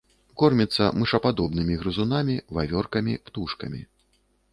Корміцца мышападобнымі грызунамі, вавёркамі, птушкамі.